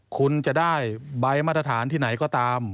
คุณจะได้ใบมาตรฐานที่ไหนก็ตาม